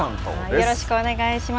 よろしくお願いします。